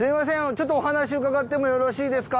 ちょっとお話伺ってもよろしいですか？